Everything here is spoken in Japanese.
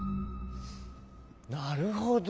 なるほど。